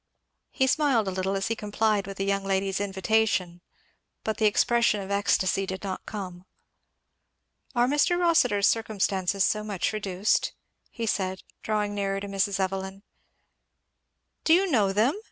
He smiled a little as he complied with the young lady's invitation, but the expression of ecstasy did not come. "Are Mr. Rossitur's circumstances so much reduced?" he said, drawing nearer to Mrs. Evelyn. "Do you know them!"